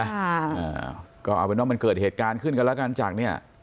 เอ่อก็เอาไว้นอกเกิดเหตุการณ์ขึ้นแล้วกันจากนี้